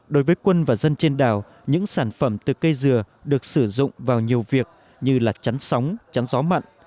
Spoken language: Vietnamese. đối với quân và dân trên đảo những sản phẩm từ cây dừa được sử dụng vào nhiều việc như là chắn sóng chắn gió mặn